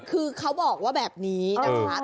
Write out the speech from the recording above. คือเขาบอกว่าแบบนี้นะคะ